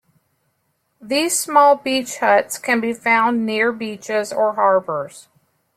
These small beach huts can be found near beaches or harbours.